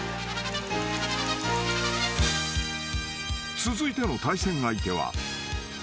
［続いての対戦相手は］